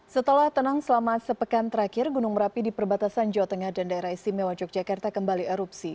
setelah tenang selama sepekan terakhir gunung merapi di perbatasan jawa tengah dan daerah istimewa yogyakarta kembali erupsi